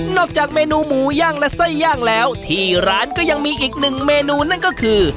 จากเมนูหมูย่างและไส้ย่างแล้วที่ร้านก็ยังมีอีกหนึ่งเมนูนั่นก็คือ